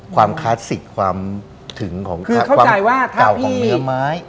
ความคลาสสิคความถึงความเก่าของเนื้อไม้